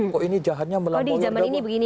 kok di zaman ini begini